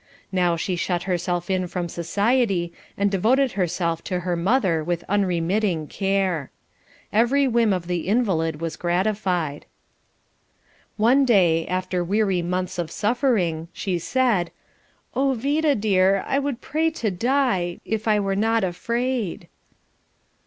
Now she shut herself in from society and devoted herself to her mother with unremitting care. Every whim of the invalid was gratified. One day, after weary months of suffering, she said: "O Vida dear, I would pray to die, if I were not afraid."